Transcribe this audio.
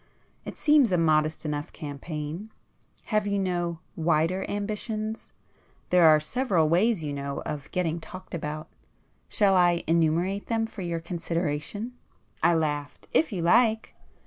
It seems a modest enough campaign! Have you no wider ambitions? There are several ways, you know, of getting talked about. Shall I enumerate them for your consideration?" I laughed. "If you like!"